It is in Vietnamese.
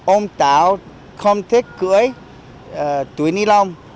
ông táo không thích cưỡi túi ni lông